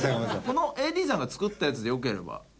このＡＤさんが作ったやつでよければ。